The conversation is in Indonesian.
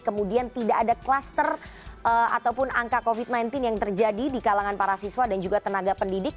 kemudian tidak ada kluster ataupun angka covid sembilan belas yang terjadi di kalangan para siswa dan juga tenaga pendidik